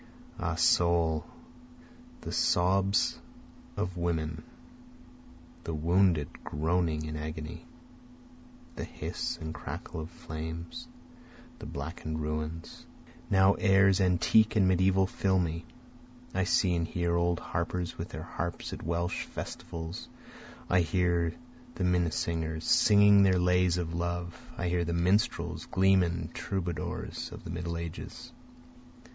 (Ah soul, the sobs of women, the wounded groaning in agony, The hiss and crackle of flames, the blacken'd ruins, the embers of cities, The dirge and desolation of mankind.) Now airs antique and mediaeval fill me, I see and hear old harpers with their harps at Welsh festivals, I hear the minnesingers singing their lays of love, I hear the minstrels, gleemen, troubadours, of the middle ages.